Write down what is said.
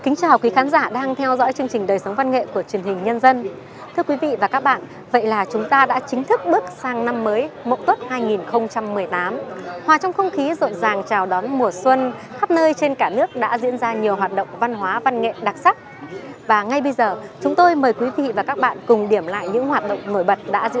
hãy đăng ký kênh để ủng hộ kênh của chúng mình nhé